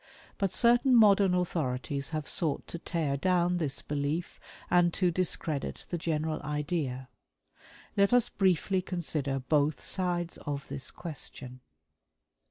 But certain modern authorities have sought to tear down this belief, and to discredit the general idea. Let us briefly consider both sides of this question.